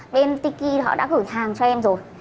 bên tiki họ đã gửi hàng cho em rồi